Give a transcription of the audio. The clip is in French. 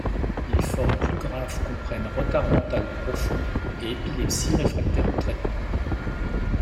Les formes plus graves comprennent retard mental profond et épilepsie réfractaire au traitement.